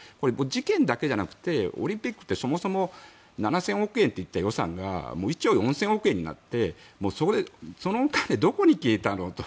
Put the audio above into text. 事件だけじゃなくてオリンピックってそもそも７０００億円といった予算が１兆４０００億円になってそのお金、どこに消えたの？と。